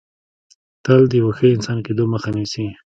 تل د یو ښه انسان کېدو مخه نیسي